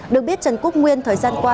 được biết trần quốc nguyên thời gian qua